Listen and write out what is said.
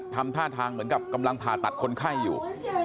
ทำท่าทางเหมือนกับกำลังผ่าตัดคนไข้อยู่